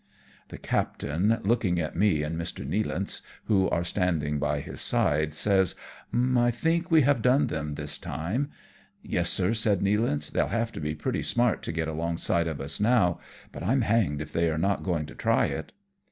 The captain, looking at me and Mr. Nealance, who are standing by his side, says, " I think we have done them this time.'" " Yes, sir," says Nealance, " they'll have to be pretty smart to get alongside of us now, but I'm hanged if they are not going to try it."